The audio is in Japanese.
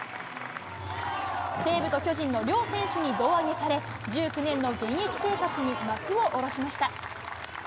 西武と巨人の両選手に胴上げされ、１９年の現役生活に幕を下ろしました。